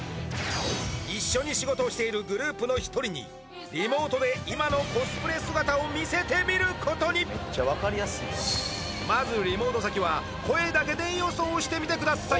一緒に仕事をしているグループの一人にリモートで今のコスプレ姿を見せてみることにまずリモート先は声だけで予想してみてください